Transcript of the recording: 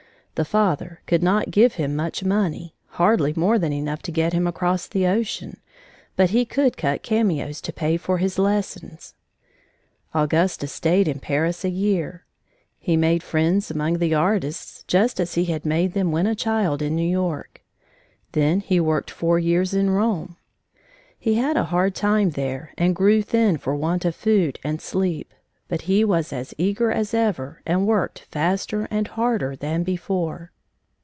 The father could not give him much money, hardly more than enough to get him across the ocean, but he could cut cameos to pay for his lessons. Augustus stayed in Paris a year. He made friends among the artists just as he had made them when a child in New York. Then he worked four years in Rome. He had a hard time there and grew thin for want of food and sleep, but he was as eager as ever and worked faster and harder than before.